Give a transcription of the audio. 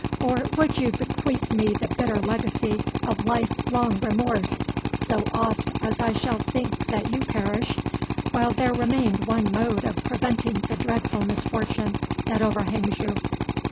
or would you bequeath me the bitter legacy of life long remorse, so oft as I shall think that you perished, while there remained one mode of preventing the dreadful misfortune that overhangs you?"